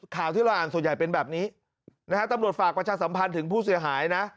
ข่าวที่เราอ่านส่วนใหญ่เป็นแบบนี้นะฮะตำรวจฝากประชาสัมพันธ์ถึงผู้เสียหายนะ